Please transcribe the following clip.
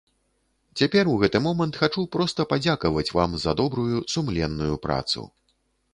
Цяпер у гэты момант хачу проста падзякаваць вам за добрую, сумленную працу.